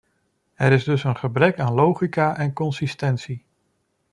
Er is dus een gebrek aan logica en consistentie.